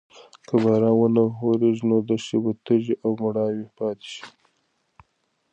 که باران ونه وریږي نو دښتې به تږې او مړاوې پاتې شي.